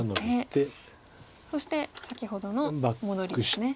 そして先ほどの戻りですね。